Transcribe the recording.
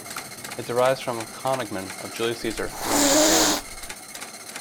It derives from the "cognomen" of Julius Caesar, the Roman dictator.